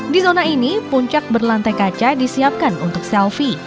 di zona ini puncak berlantai kaca disiapkan untuk selfie